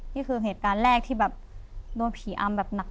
นี่คือเหตุการณ์แรกที่แบบโดนผีอำแบบหนัก